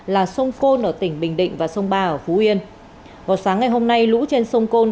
là sông phôn ở tỉnh bình định và sông ba ở phú yên vào sáng ngày hôm nay lũ trên sông côn